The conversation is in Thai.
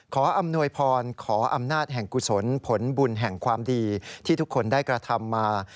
อำนวยพรขออำนาจแห่งกุศลผลบุญแห่งความดีที่ทุกคนได้กระทำมา